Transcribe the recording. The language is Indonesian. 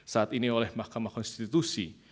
saat ini oleh mahkamah konstitusi